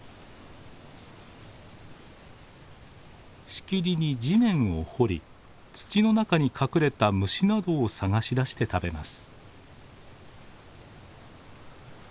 しきりに地面を掘り土の中に隠れた虫などを探し出して食べます。